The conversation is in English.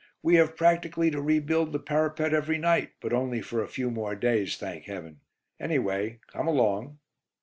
"We have practically to rebuild the parapet every night, but only for a few more days, thank Heaven! Anyway, come along."